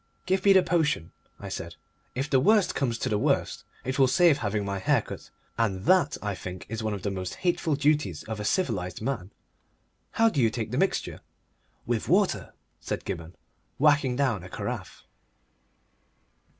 "Give me the potion," I said. "If the worst comes to the worst it will save having my hair cut, and that I think is one of the most hateful duties of a civilised man. How do you take the mixture?" "With water," said Gibberne, whacking down a carafe.